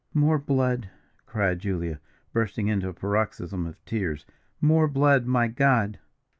"More blood!" cried Julia, bursting into a paroxysm of tears; "more blood! my God!